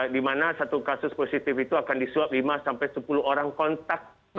di mana satu kasus positif itu akan disuap lima sampai sepuluh orang kontak